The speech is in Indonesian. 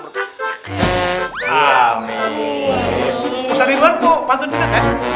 ustadz ridwan mau pantun pisan ya